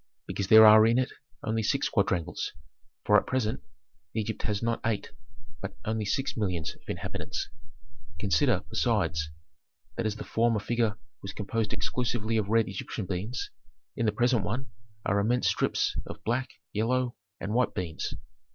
Because there are in it only six quadrangles, for at present Egypt has not eight, but only six millions of inhabitants. Consider, besides, that as the former figure was composed exclusively of red Egyptian beans, in the present one are immense strips of black, yellow, and white beans.